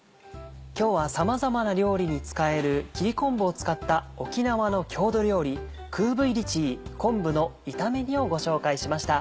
今日はさまざまな料理に使える切り昆布を使った沖縄の郷土料理「クーブイリチー」昆布の炒め煮をご紹介しました。